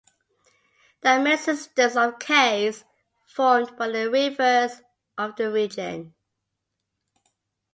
There are many systems of caves formed by the rivers of the region.